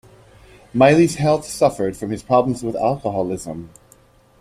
Miley's health suffered from his problems with alcoholism.